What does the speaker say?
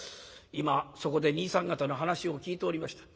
「今そこで兄さん方の話を聞いておりました。